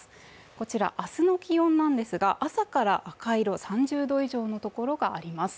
こちら明日の気温ですが、朝から赤色、３０度以上のところがあります。